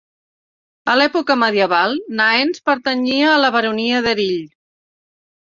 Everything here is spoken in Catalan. A l'època medieval, Naens pertanyia a la Baronia d'Erill.